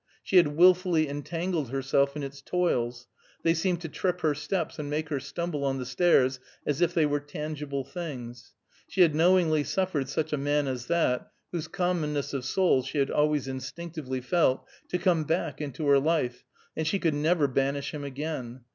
She had wilfully entangled herself in its toils; they seemed to trip her steps, and make her stumble on the stairs as if they were tangible things. She had knowingly suffered such a man as that, whose commonness of soul she had always instinctively felt, to come back into her life, and she could never banish him again.